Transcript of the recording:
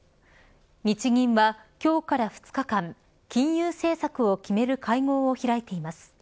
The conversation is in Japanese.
日銀は今日から２日間金融政策を決める会合を開いています。